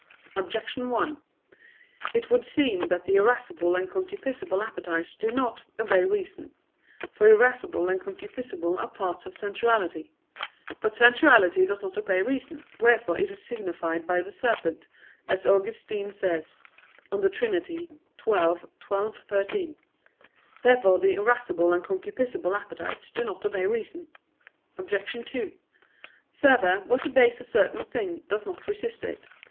Objection 1: It would seem that the irascible and concupiscible appetites do not obey reason. For irascible and concupiscible are parts of sensuality. But sensuality does not obey reason, wherefore it is signified by the serpent, as Augustine says (De Trin. xii, 12,13). Therefore the irascible and concupiscible appetites do not obey reason. Obj. 2: Further, what obeys a certain thing does not resist it.